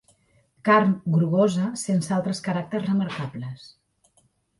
Carn grogosa sense altres caràcters remarcables.